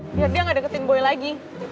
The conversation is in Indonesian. biar dia gak deketin buaya lagi